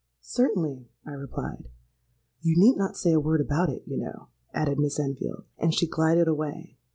'—'Certainly,' I replied.—'You need not say a word about it, you know,' added Miss Enfield; and she glided away.